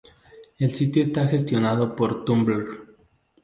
El sitio está gestionado por Tumblr.